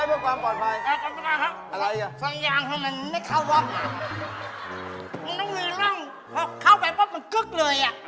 ขับบ่อยใช่หมด